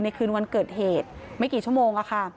ในคืนวันเกิดเหตุไม่กี่ชั่วโมงอ่ะค่ะ